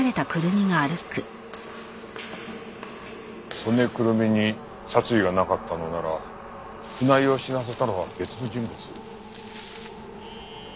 曽根くるみに殺意がなかったのなら船井を死なせたのは別の人物？